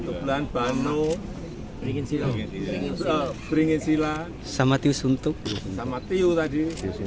tulan bano beringin sila sama tiusuntuk sama tiu tadi